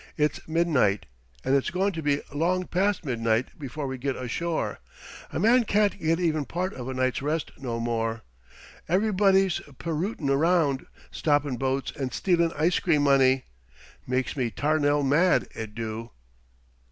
"It's midnight, and it's goin' to be long past midnight before we git ashore. A man can't get even part of a night's rest no more. Everybody pirootin' round, stoppin' boats an' stealin' ice cream money! Makes me 'tarnel mad, it do."